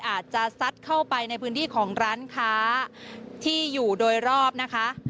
อาจจะซัดเข้าไปในพื้นที่ของร้านค้าที่อยู่โดยรอบนะคะ